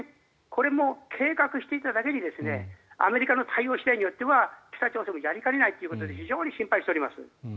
これも計画していただけにアメリカの対応次第によっては北朝鮮もやりかねないということで非常に心配しております。